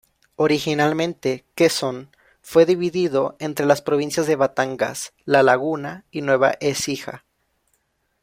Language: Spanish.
Originalmente, Quezón fue dividido entre las provincias de Batangas, La Laguna, y Nueva Écija.